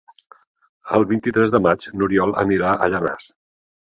El vint-i-tres de maig n'Oriol anirà a Llanars.